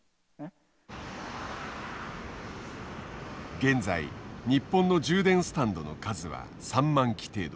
現在日本の充電スタンドの数は３万基程度。